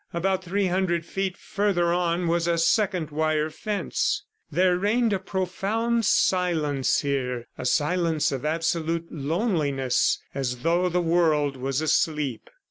About three hundred feet further on, was a second wire fence. There reigned a profound silence here, a silence of absolute loneliness as though the world was asleep.